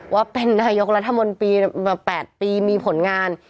ว่าเป็นนายกรัฐมนตรีมา๘ปีมีผลงาน